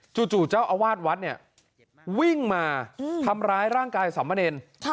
จู่เจ้าอาวาสวัดเนี่ยวิ่งมาทำร้ายร่างกายสามเณร